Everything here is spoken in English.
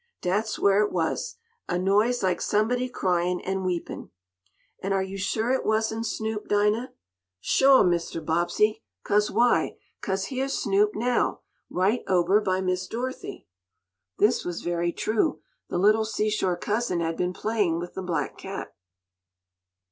Dat's where it was. A noise laik somebody cryin' an' weepin'." "And are you sure it wasn't Snoop, Dinah?" "Shuah, Mr. Bobbsey. 'Cause why? 'Cause heah's Snoop now, right ober by Miss Dorothy." This was very true. The little seashore Cousin had been playing with the black cat.